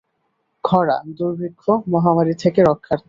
ক্ষরা, দূর্ভিক্ষ, মহামারী থেকে রক্ষার্থে।